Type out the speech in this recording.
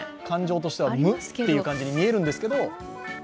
感情としてはムッという感じに見えるんですけど。